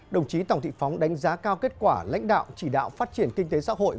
đồng chí tòng thị phóng đánh giá cao kết quả lãnh đạo chỉ đạo phát triển kinh tế xã hội